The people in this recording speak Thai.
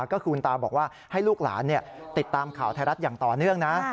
ก็คือคุณตาบอกว่าให้ลูกหลานติดตามข่าวไทยรัฐอย่างต่อเนื่องนะ